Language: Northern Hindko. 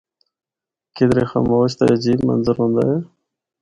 کدرے خاموش تے عجیب منظر ہوندا ہے۔